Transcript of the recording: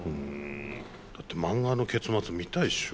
だって漫画の結末見たいっしょ？